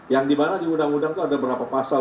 yang dimana di undang undang itu ada berapa pasal